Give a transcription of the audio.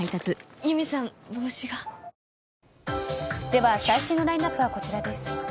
では最新のラインアップはこちらです。